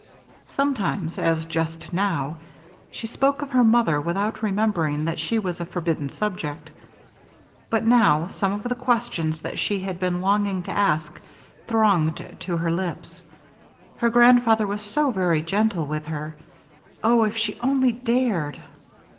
Sometimes, as just now, she spoke of her mother without remembering that she was a forbidden subject. But now, some of the questions that she had been longing to ask, thronged to her lips. Her grandfather was so very gentle with her Oh, if she only dared!